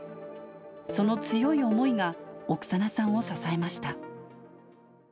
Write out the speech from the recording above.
その強い思いが、オクサナさんを支えました。